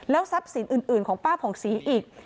ทรัพย์สินอื่นของป้าผ่องศรีอีก